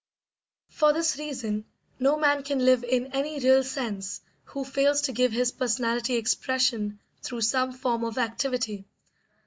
For this reason no man can live in any real sense who fails to give his personality expression through some form of activity.